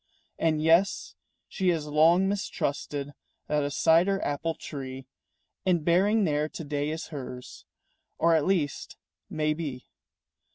And yes, she has long mistrusted That a cider apple tree In bearing there to day is hers, Or at least may be.